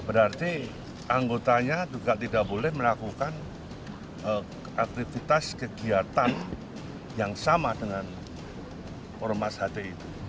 berarti anggotanya juga tidak boleh melakukan aktivitas kegiatan yang sama dengan ormas hti itu